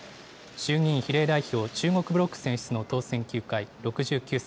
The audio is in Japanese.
衆議院比例代表、中国ブロック選出の当選９回、６９歳。